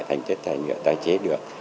thành chất thải nhựa tái chế được